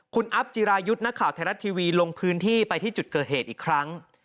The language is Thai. คุณอัพจิรายุทธ์นักข่าวไทยรัฐทีวีลงพื้นที่ไปที่จุดเกิดเหตุอีกครั้ง